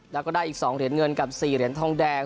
แล้วก็ได้อีก๒เหรียญเงินกับ๔เหรียญทองแดง